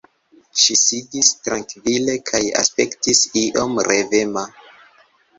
Ŝi sidis trankvile kaj aspektis iom revema.